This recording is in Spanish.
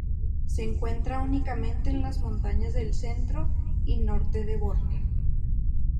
Se encuentra únicamente en las montañas del centro y norte de Borneo.